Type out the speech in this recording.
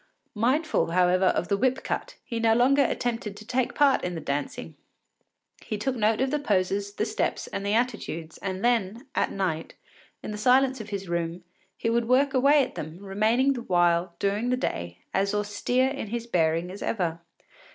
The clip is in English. Mindful, however, of the whip cut, he no longer attempted to take part in the dancing; he took note of the poses, the steps, and the attitudes, and then, at night, in the silence of his room, he would work away at them, remaining the while, during the day, as austere in his bearing as ever.